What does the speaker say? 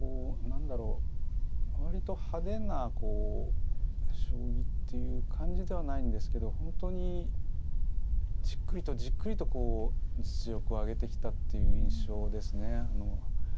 何だろう割と派手なこう将棋っていう感じではないんですけど本当にじっくりとじっくりとこう実力を上げてきたっていう印象ですね。